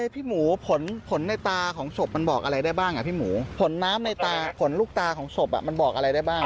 พี่หมูผลผลในตาของศพมันบอกอะไรได้บ้างอ่ะพี่หมูผลน้ำในตาผลลูกตาของศพมันบอกอะไรได้บ้าง